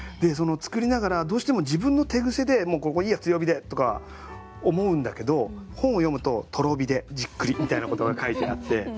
作りながらどうしても自分の手癖で「もうここいいや強火で」とか思うんだけど本を読むと「とろ火でじっくり」みたいなことが書いてあって。